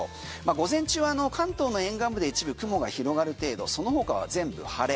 午前中関東の沿岸部で一部雲が広がる程度その他は全部晴れ。